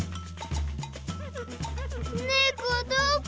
ねこどこ？